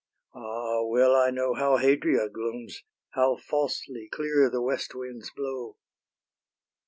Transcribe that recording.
Ah! well I know How Hadria glooms, how falsely clear The west winds blow.